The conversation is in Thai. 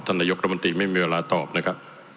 นายกรมนตรีไม่มีเวลาตอบนะครับ